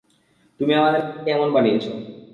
তুমি আমাদেরকে এমন বানিয়েছো!